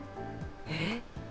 えっ？